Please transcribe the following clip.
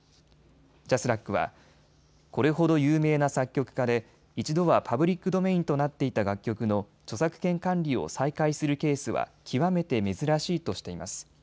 ＪＡＳＲＡＣは、これほど有名な作曲家で一度はパブリックドメインとなっていた楽曲の著作権管理を再開するケースは極めて珍しいとしています。